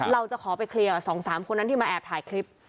เราจะขอไปเคลียร์๒๓คนนั้นที่มาแอบถ่ายคลิป